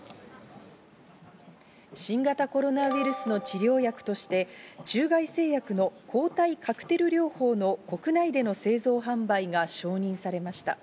新型コロナウイルスの治療薬として、中外製薬の抗体カクテル療法の国内での製造販売が承認されました。